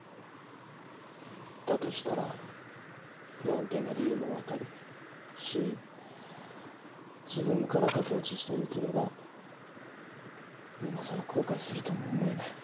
だとしたら不安定な理由もわかるし自分から駆け落ちした雪乃が今更後悔するとも思えない。